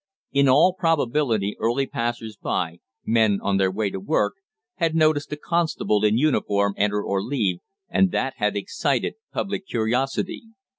In all probability early passers by, men on their way to work, had noticed a constable in uniform enter or leave, and that had excited public curiosity.